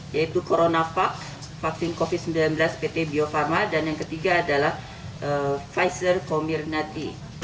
yaitu coronavac vaksin covid sembilan belas pt bio farma dan yang ketiga adalah pfizer comirnati